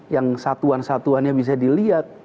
yang satuan satuannya bisa dilihat